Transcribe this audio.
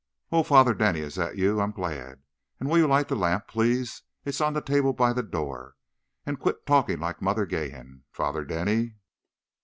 "Oh, Father Denny, is that you? I'm glad. And will you light the lamp, please? It's on the table by the door. And quit talking like Mother Geehan, Father Denny."